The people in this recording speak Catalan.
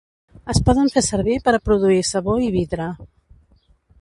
Es poden fer servir per a produir sabó i vidre.